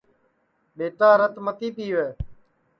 ٻِیٹا رت متی پِیوے